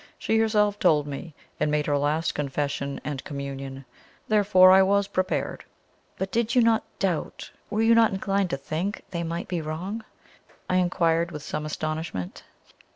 She herself told me, and made her last confession and communion. Therefore I was prepared." "But did you not doubt were you not inclined to think they might be wrong?" I inquired, with some astonishment.